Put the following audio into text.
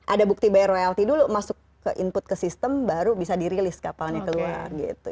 ada bukti bayar royalt dulu masuk ke input ke sistem baru bisa dirilis kapalnya keluar gitu